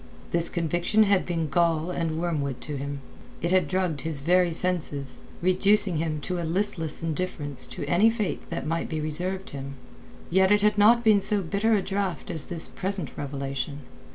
This conviction had been gall and wormwood to him; it had drugged his very senses, reducing him to a listless indifference to any fate that might be reserved him. Yet it had not been so bitter a draught as this present revelation.